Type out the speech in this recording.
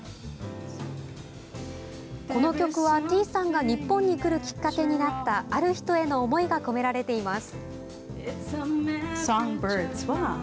この曲はｔｅａさんが日本に来るきっかけになったある人への思いが込められています。